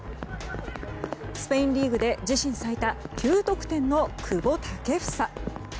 スペインリーグで自身最多９得点の久保建英。